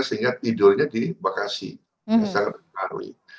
sehingga tidurnya di bakasi bisa diparui